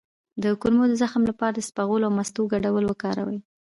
د کولمو د زخم لپاره د اسپغول او مستو ګډول وکاروئ